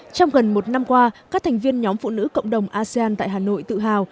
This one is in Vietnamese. trong gần một năm qua các thành viên nhóm phụ nữ cộng đồng asean tại hà nội tự hào